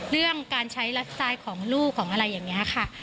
เรื่องการใช้ไลฟ์สไตล์ของลูกของอะไรอย่างนี้ค่ะ